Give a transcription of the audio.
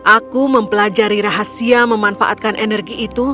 aku mempelajari rahasia memanfaatkan energi itu